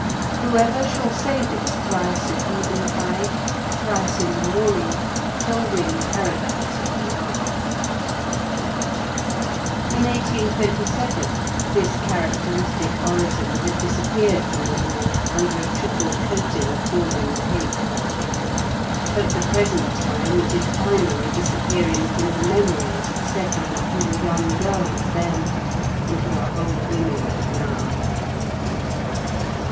Whoever shall say this thrice at eventide, thrice in the morning, shall win paradise at the last." In 1827 this characteristic orison had disappeared from the wall under a triple coating of daubing paint. At the present time it is finally disappearing from the memories of several who were young girls then, and who are old women now.